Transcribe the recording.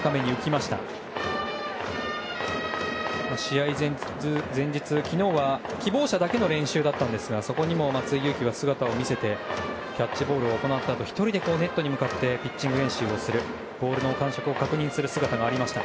試合前日、昨日は希望者だけの練習でしたがそこにも松井裕樹は姿を見せてキャッチボールを行ったあと１人でネットに向かってピッチング練習をするボールの感触を確認する姿がありました。